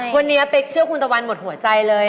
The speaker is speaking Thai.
วันนี้เป๊กเชื่อคุณตะวันหมดหัวใจเลย